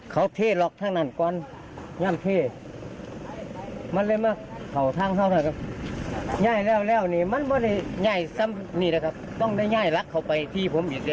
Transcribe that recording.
เขาพี่หลอกทางนั้นก่อนย่ำพี่